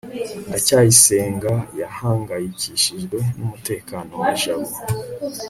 ndacyayisenga yahangayikishijwe n'umutekano wa jabo